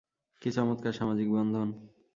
কী চমৎকার সামাজিক বন্ধন।